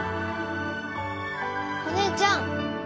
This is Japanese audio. お姉ちゃん！